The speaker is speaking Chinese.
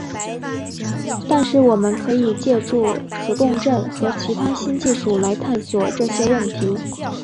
但是我们可以借助磁共振和其他新技术来探索这些问题。